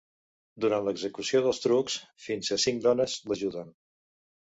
Durant l'execució dels trucs, fins a cinc dones l'ajuden.